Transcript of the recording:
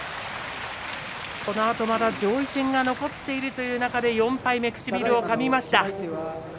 このあとまだ上位戦が残っているという中で４敗目、唇をかみました。